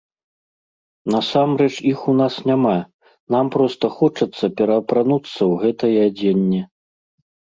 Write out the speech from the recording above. Насамрэч, іх у нас няма, нам проста хочацца пераапрануцца ў гэтае адзенне.